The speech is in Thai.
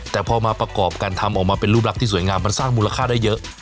แต่พอมาประกอบการทำออกมาเป็นรูปลักษณ์ที่สวยงามมันสร้างมูลค่าได้เยอะ